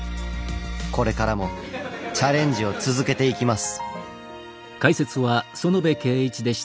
これからもチャレンジを続けていきます。